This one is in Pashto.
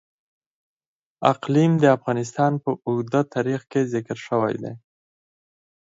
اقلیم د افغانستان په اوږده تاریخ کې ذکر شوی دی.